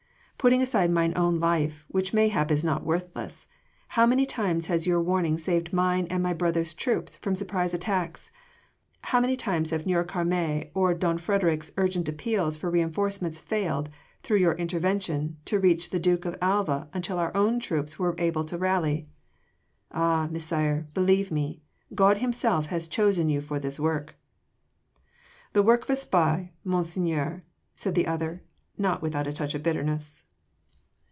Putting aside mine own life which mayhap is not worthless how many times has your warning saved mine and my brother’s troops from surprise attacks? How many times have Noircarmes’ or don Frederic’s urgent appeals for reinforcements failed, through your intervention, to reach the Duke of Alva until our own troops were able to rally? Ah, Messire, believe me! God Himself has chosen you for this work!" "The work of a spy, Monseigneur," said the other not without a touch of bitterness.